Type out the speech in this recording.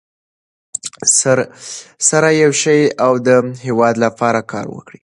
سره یو شئ او د هېواد لپاره کار وکړئ.